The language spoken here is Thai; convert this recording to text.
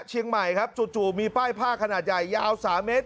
เชียงใหม่ครับจู่มีป้ายผ้าขนาดใหญ่ยาว๓เมตร